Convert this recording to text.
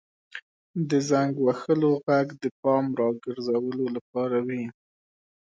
• د زنګ وهلو ږغ د پام راګرځولو لپاره وي.